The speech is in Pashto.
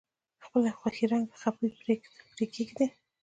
خپلې خوښې رنګه خپې پرې کیږدئ.